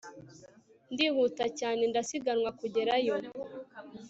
Ndihuta cyane ndasiganwa kugerayo